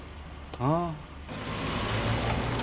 ああ。